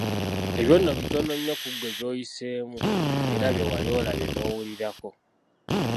Ebyo nno bitono nnyo ku ggwe by'oyiseemu era bye wali olabye n'okuwulirako.